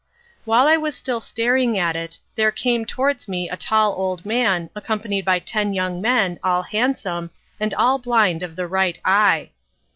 While I was still staring at it, there came towards me a tall old man, accompanied by ten young men, all handsome, and all blind of the right eye.